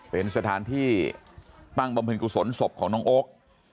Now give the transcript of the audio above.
เป็นสถานที่ตั้งบำเพ็ญกุศลศพของน้องโอ๊ค